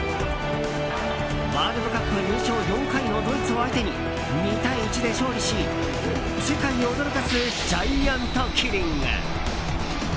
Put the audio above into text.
ワールドカップ優勝４回のドイツを相手に２対１で勝利し世界を驚かすジャイアントキリング。